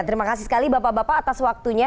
terima kasih sekali bapak bapak atas waktunya